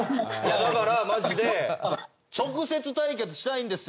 だからマジで直接対決したいんですよ